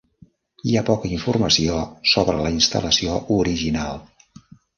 Hi ha poca informació sobre la instal·lació original.